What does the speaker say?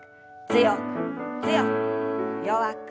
強く強く弱く。